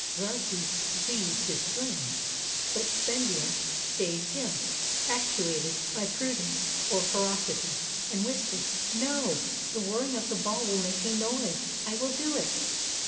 Zarxas seized his sling, but Spendius stayed him, actuated by prudence or ferocity, and whispered: "No! the whirring of the ball will make a noise! I will do it!"